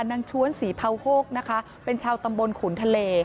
ชวนศรีเภาโฮกนะคะเป็นชาวตำบลขุนทะเล